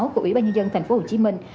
của ủy ban nhân dân thành phố hồ chí minh